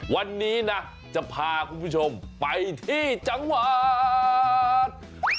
วันนี้นะจะพาคุณผู้ชมไปที่จังหวัด